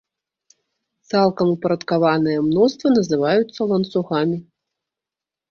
Цалкам упарадкаваныя мноствы называюцца ланцугамі.